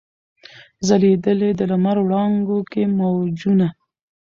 ځلېدل یې د لمر وړانګو کي موجونه